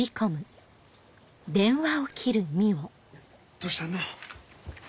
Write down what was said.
どうしたの？